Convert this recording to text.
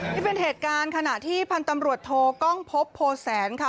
นี่เป็นเหตุการณ์ขณะที่พันธ์ตำรวจโทกล้องพบโพแสนค่ะ